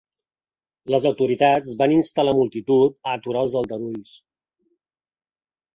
Les autoritats van instar la multitud a aturar els aldarulls.